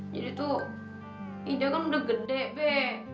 jadi tuh ida kan udah gede be